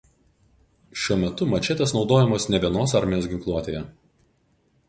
Šiuo metu mačetės naudojamos ne vienos armijos ginkluotėje.